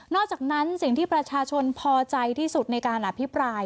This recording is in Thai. อกจากนั้นสิ่งที่ประชาชนพอใจที่สุดในการอภิปราย